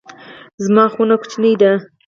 زما خونه کوچنۍ ده